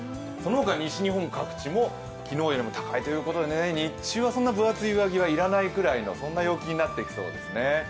そのほか西日本各地も昨日よりも高いということで日中はそんなに分厚い上着は要らないぐらい、そんな陽気になってきそうです。